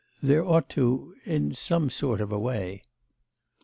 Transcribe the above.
there ought to... in some sort of a way.